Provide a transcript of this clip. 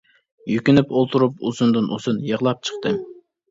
يۈكۈنۈپ ئولتۇرۇپ ئۇزۇندىن ئۇزۇن يىغلاپ چىقتىم.